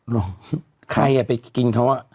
ลงใครไปกินเขาอ่ะ